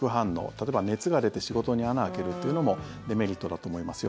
例えば熱が出て仕事に穴開けるというのもデメリットだと思いますよ。